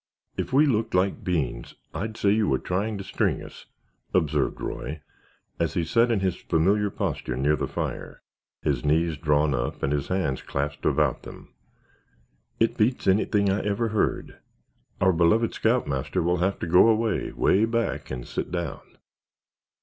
"If we looked like beans, I'd say you were trying to string us," observed Roy, as he sat in his familiar posture near the fire, his knees drawn up and his hands clasped about them. "It beats anything I ever heard. Our beloved scoutmaster will have to go away, way back and sit down."